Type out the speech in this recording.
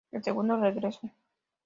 El segundo regresó.